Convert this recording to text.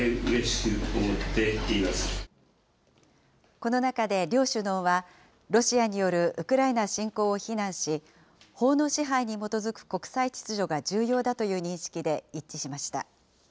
この中で両首脳は、ロシアによるウクライナ侵攻を非難し、法の支配に基づく国際秩序が重要だという認識で一致しました。